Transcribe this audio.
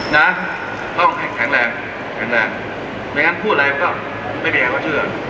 นะต้องแข็งแรงแข็งแรงไม่งั้นพูดอะไรก็ไม่มีใครเขาเชื่อ